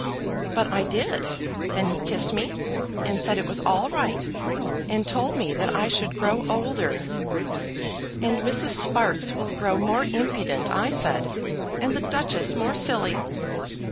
"But I did. Then he kissed me, and said it was all right, and told me that I should grow older. 'And Mrs. Sparkes will grow more impudent,' I said, 'and the Duchess more silly.'